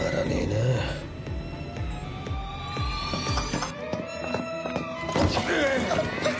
あっ。